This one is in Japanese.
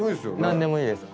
何でもいいです。